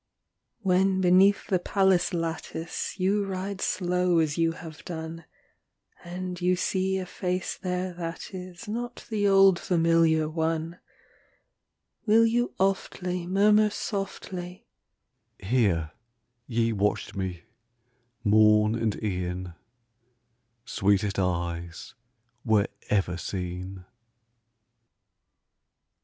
XII. When beneath the palace lattice You ride slow as you have done, And you see a face there that is Not the old familiar one, Will you oftly Murmur softly, "Here ye watched me morn and e'en, Sweetest eyes were ever seen!"